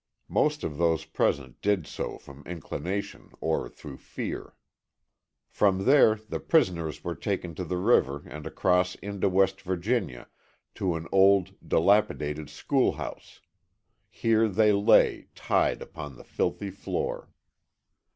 Most of those present did so from inclination or through fear. From there the prisoners were taken to the river and across into West Virginia to an old, dilapidated schoolhouse. Here they lay, tied, upon the filthy floor.